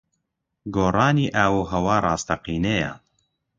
گۆڕانی ئاووھەوا ڕاستەقینەیە.